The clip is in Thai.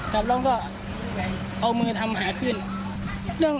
ครับแล้วก็เอามือทำหาขึ้น